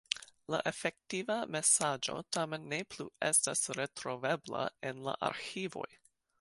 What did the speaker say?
La efektiva mesaĝo tamen ne plu estas retrovebla en la arĥivoj.